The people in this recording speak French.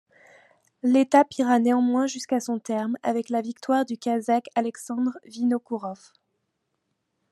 L'étape ira néanmoins jusqu'à son terme avec la victoire du Kazakh Alexandre Vinokourov.